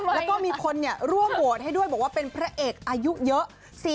แล้วก็มีคนร่วมโหวตให้ด้วยบอกว่าเป็นพระเอกอายุเยอะ